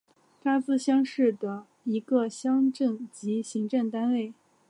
查孜乡是的一个乡镇级行政单位。